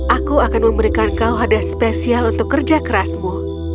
aku akan memberikan kau hadiah spesial untuk kerja kerasmu